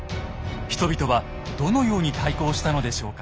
人々はどのように対抗したのでしょうか。